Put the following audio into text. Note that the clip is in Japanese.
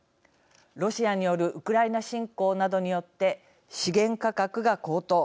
ロシアによるウクライナ侵攻などによって資源価格が高騰。